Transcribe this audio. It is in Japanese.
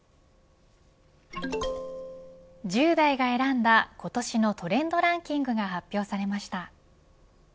１０代が選んだ今年のトレンドランキングが発表されました。